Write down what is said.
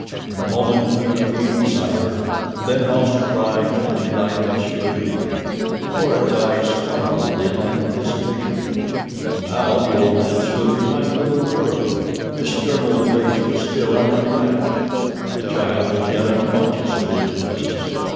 In a moment he would be beside her, and then how surprised and delighted she would be! Korak's eyes sparkled in anticipation—and now the old man stood behind the little girl. His stern old face was still unrelaxed. The child was yet unconscious of his presence.